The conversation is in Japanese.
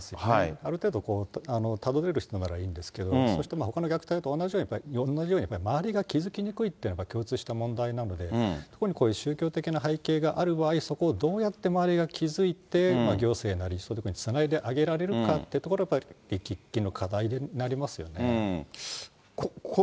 ある程度、たどれる人ならいいんですけど、ほかの虐待と同じようにやっぱり周りが気付きにくいというのが、共通した問題なので、特にこういう宗教的な背景がある場合、どうやってそこに気付いて行政なり、そういう所につないであげられるかというところがやっぱり喫緊の課題になりますよね。